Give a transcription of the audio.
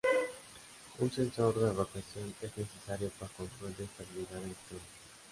Un sensor de rotación es necesario para control de estabilidad Electrónica.